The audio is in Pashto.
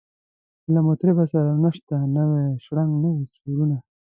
له مطربه سره نسته نوی شرنګ نوي سورونه